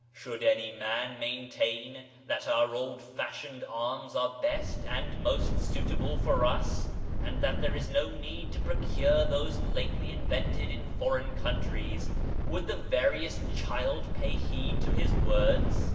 Should any man maintain, that our old fashioned arms are best and most suitable for us, and that there is no need to procure those lately invented in foreign countries, would the veriest child pay heed to his words?